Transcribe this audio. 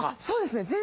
そうですね。